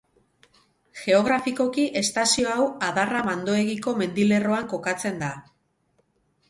Geografikoki estazio hau Adarra-Mandoegiko mendilerroan kokatzen da.